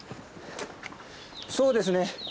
そうですね